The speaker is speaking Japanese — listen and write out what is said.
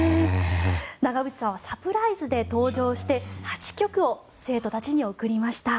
長渕さんはサプライズで登場して８曲を生徒たちに贈りました。